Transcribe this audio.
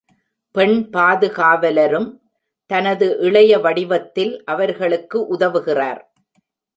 பெண் பாதுகாவலரும் தனது இளைய வடிவத்தில் அவர்களுக்கு உதவுகிறார்.